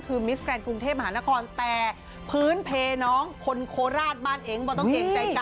คือมิสแกรนดกรุงเทพมหานครแต่พื้นเพน้องคนโคราชบ้านเองบ่ต้องเกรงใจกัน